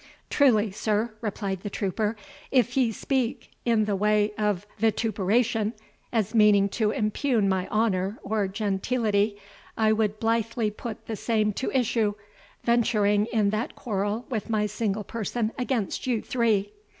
"Truly, sir," replied the trooper, "if ye speak this in the way of vituperation, as meaning to impugn my honour or genteelity, I would blithely put the same to issue, venturing in that quarrel with my single person against you three.